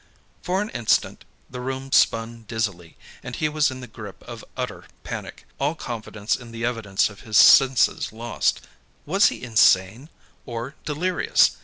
For an instant, the room spun dizzily; and he was in the grip of utter panic, all confidence in the evidence of his senses lost. Was he insane? Or delirious?